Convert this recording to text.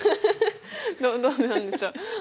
どうなんでしょう？